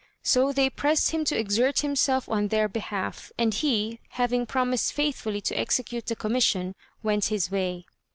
So they pressed him to exert himself on their behalf; and he, having promised faithfully to execute the commission, went his way.